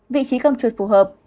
vị trí cầm chuột phù hợp